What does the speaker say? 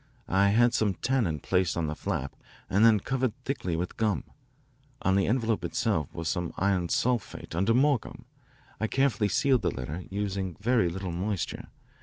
I had some tannin placed on the flap and then covered thickly with gum. On the envelope itself was some iron sulphate under more gum. I carefully sealed the letter, using very little moisture.